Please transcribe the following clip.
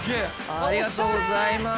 ありがとうございます。